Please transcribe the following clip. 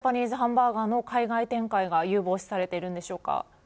なぜジャパニーズハンバーガーの海外展開が有望視されているんでしょうか。